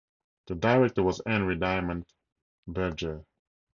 The director was Henri Diamant-Berger.